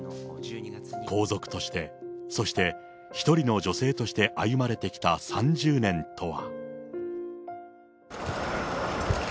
皇族として、そして一人の女性として歩まれてきた３０年とは。